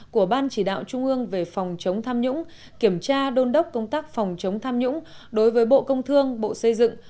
của ban chỉ đạo trung ương về phòng chống tham nhũng kiểm tra đôn đốc công tác phòng chống tham nhũng đối với bộ công thương bộ xây dựng